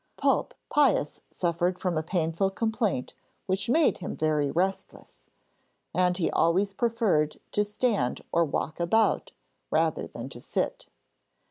Pope Pius suffered from a painful complaint which made him very restless, and he always preferred to stand or walk about, rather than to sit.